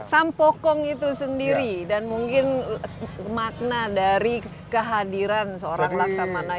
sampokong itu sendiri dan mungkin makna dari kehadiran seorang laksamana